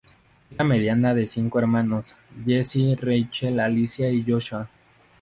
Es la mediana de cinco hermanos: Jesse, Rachel, Alicia y Joshua.